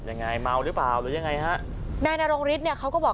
ยังไงเมาหรือเปล่าหรือยังไงฮะนายนรงฤทธิเนี่ยเขาก็บอก